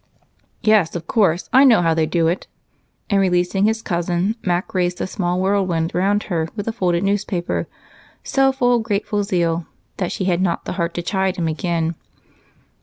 "Yes, of course, I know how they do it." And, releasing his cousin, Mac raised a small whirlwind around her with a folded newspaper, so full of zeal that she had not the heart to chide him again.